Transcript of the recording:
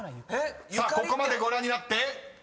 ［ここまでご覧になって］